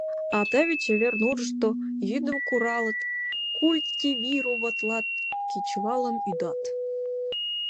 — А теве «Чевер нурышто» йӱдым куралыт, культивироватлат, кечывалым ӱдат.